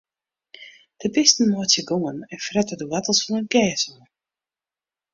De bisten meitsje gongen en frette de woartels fan it gjers oan.